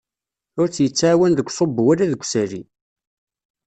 Ur tt-yettɛawan deg uṣubbu wala deg usali.